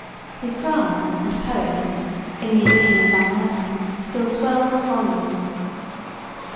His dramas and poems (in the edition of Van Lennep) fill twelve volumes.